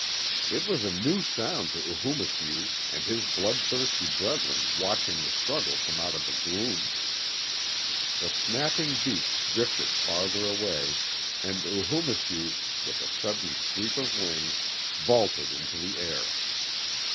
It was a new sound to Oohoomisew and his blood thirsty brethren watching the struggle from out of the gloom. The snapping beaks drifted farther away, and Oohoomisew, with a sudden sweep of wings, vaulted into the air.